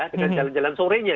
dengan jalan jalan sorenya